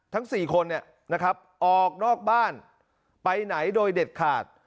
ทั้ง๔คนนี้นะครับออกนอกบ้านไปไหนโดยเด็ดขาด